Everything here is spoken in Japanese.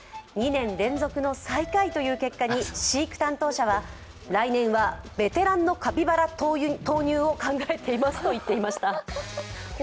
２年連続の最下位という結果に飼育担当者は来年はベテランのカピバラの投入を考えていますと言っていました。